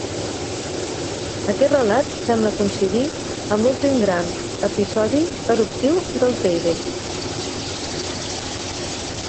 Aquest relat sembla coincidir amb l'últim gran episodi eruptiu del Teide.